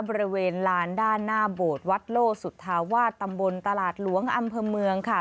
บริเวณลานด้านหน้าโบสถ์วัดโลสุธาวาสตำบลตลาดหลวงอำเภอเมืองค่ะ